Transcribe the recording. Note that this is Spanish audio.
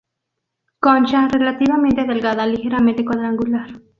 Concha relativamente delgada, ligeramente cuadrangular.